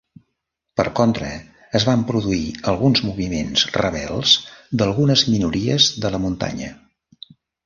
Per contra, es van produir alguns moviments rebels d'algunes minories de la muntanya.